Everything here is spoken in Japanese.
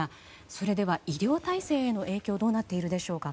それでは医療体制への影響はどうなっているでしょうか。